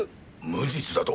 無実だと！？